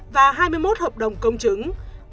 và hai mươi một hợp đồng công chứng